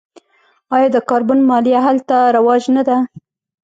آیا د کاربن مالیه هلته رواج نه ده؟